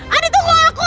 adi tunggu aku